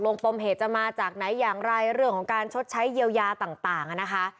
ปมเหตุจะมาจากไหนอย่างไรเรื่องของการชดใช้เยียวยาต่างนะคะ